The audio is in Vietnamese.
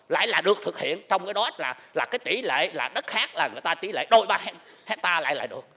lại là được thực hiện trong đó là đất khác là người ta trí lệ đôi ba hectare lại được